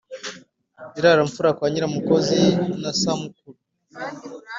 i rara-mfura kwa nyiramukozi na samukuru